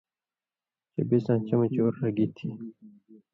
چے بِڅاں چمہۡ چور رگی تھی